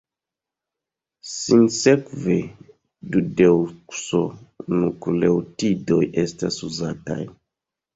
Sinsekve, dudeokso-nukleotidoj estas uzataj.